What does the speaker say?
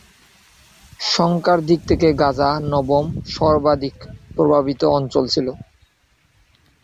সংখ্যার দিক থেকে গাজা নবম সর্বাধিক প্রভাবিত অঞ্চল ছিল।